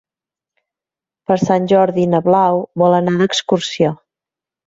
Per Sant Jordi na Blau vol anar d'excursió.